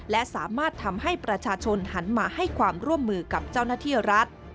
และสามารถทำให้ประชาชนหันมาให้ความร่วมมือกับเจ้าหน้าที่รัฐ